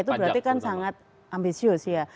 itu berarti kan sangat ambisius ya